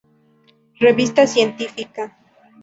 Revista científica".